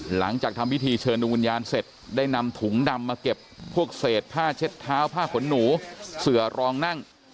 หลังจากทำพิธีเชิญดวงวิญญาณเสร็จได้นำถุงดำมาเก็บพวกเศษผ้าเช็ดเท้าผ้าขนหนูเสือรองนั่ง